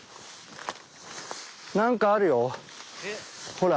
ほら。